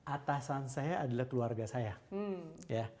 atasan saya adalah keluarga saya ya